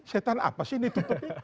setan apa sih ditutupi